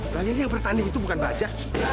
gaya ini yang bertanding itu bukan bajak